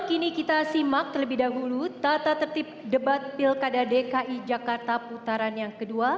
kini kita simak terlebih dahulu tata tertib debat pilkada dki jakarta putaran yang kedua